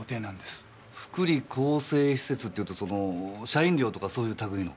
福利厚生施設っていうとその社員寮とかそういう類の？